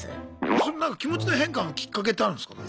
それなんか気持ちの変化のきっかけってあるんですか？